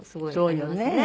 そうよね。